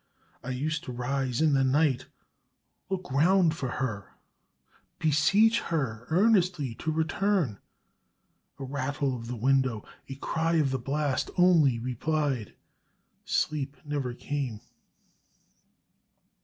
I used to rise in the night, look round for her, beseech her earnestly to return. A rattle of the window, a cry of the blast only replied Sleep never came!